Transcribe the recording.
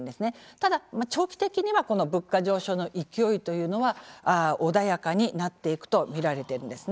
ただ長期的には物価上昇の勢いというのは穏やかになっていくと見られているんですね。